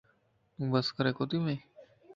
تو بسڪري ڪوتي ٻين؟